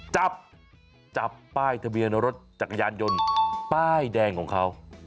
จับจับป้ายทะเบียนรถจักรยานยนต์ป้ายแดงของเขา